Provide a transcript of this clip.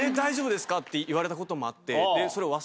って言われたこともあって。